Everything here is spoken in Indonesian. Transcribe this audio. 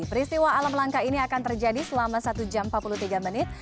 peristiwa alam langka ini akan terjadi selama satu jam empat puluh tiga menit